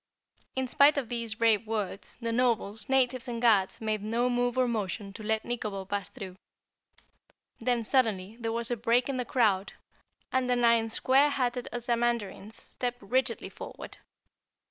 In spite of these brave words, the nobles, natives and guards made no move or motion to let Nikobo pass through. Then suddenly there was a break in the crowd and the nine square hatted Ozamandarins stepped rigidly forward.